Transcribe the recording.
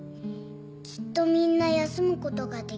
きっとみんな休むことができる。